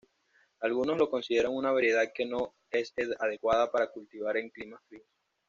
Algunos lo consideran una variedad que no es adecuada para cultivar en climas fríos.